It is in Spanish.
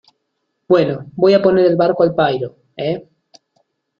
bueno, voy a poner el barco al pairo ,¿ eh?